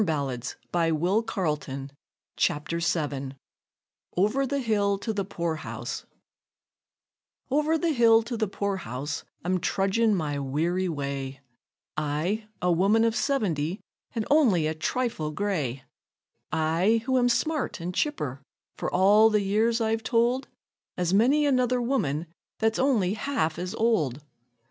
OVER THE HILL TO THE POOR HOUSE. Over the hill to the poor house I'm trudgin' my weary way "OVER THE HILL TO THE POOR HOUSE, I'M TRUDGIN' MY WEARY WAY." I, a woman of seventy, and only a trifle gray I, who am smart an' chipper, for all the years I've told, As many another woman that's only half as old.